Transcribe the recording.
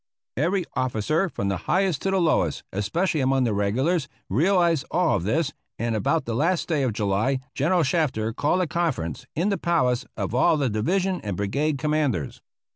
Every officer, from the highest to the lowest, especially among the regulars, realized all of this, and about the last day of July, General Shafter called a conference, in the palace, of all the division and brigade commanders.